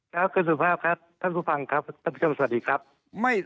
ครับคุณสุภาพครับท่านผู้ฟังครับท่านผู้ชมสวัสดีครับ